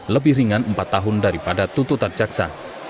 lebih ringan empat tahun daripada tuntutan jaksa